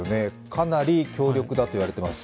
かなり強力だと言われています。